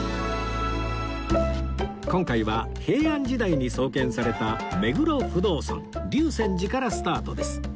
今回は平安時代に創建された目黒不動尊瀧泉寺からスタートです